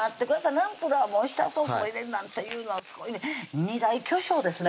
ナンプラーもオイスターソースも入れるなんていうのはすごい２大巨匠ですね